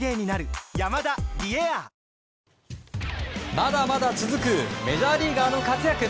まだまだ続くメジャーリーガーの活躍！